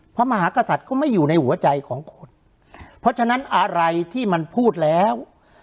พระมหากษัตริย์ก็ไม่อยู่ในหัวใจของคนเพราะฉะนั้นอะไรที่มันพูดแล้ว